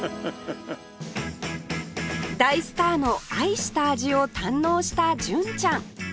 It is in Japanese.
大スターの愛した味を堪能した純ちゃん